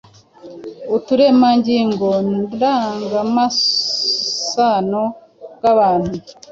uturemangingo ndangamasano bw'abantu